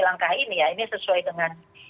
langkah ini ya ini sesuai dengan